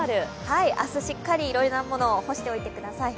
明日、しっかりいろいろなものを干しておいてください。